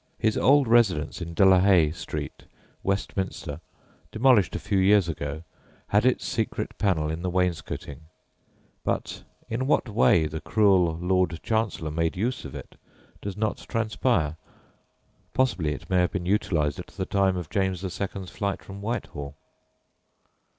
His old residence in Delahay Street, Westminster, demolished a few years ago, had its secret panel in the wainscoting, but in what way the cruel Lord Chancellor made use of it does not transpire; possibly it may have been utilised at the time of James II.'s flight from Whitehall.